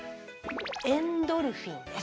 エンドルフィンです。